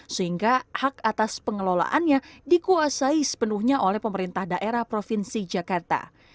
sehingga hak atas pengelolaannya dikuasai sepenuhnya oleh pemerintah daerah provinsi jakarta